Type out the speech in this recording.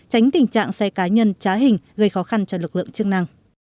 tránh tình trạng xe cá nhân trá hình gây khó khăn cho lực lượng chức năng